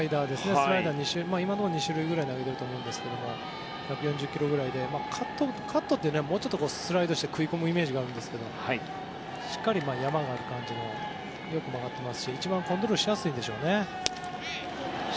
スライダーは今のところは２種類ぐらい投げてると思うんですけど１４０キロぐらいでカットは、もう少しスライドして食い込むイメージがあるんですがしっかり山がある感じで良く曲がってますし一番コントロールしやすいでしょうね。